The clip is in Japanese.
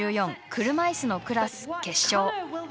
車いすのクラス決勝。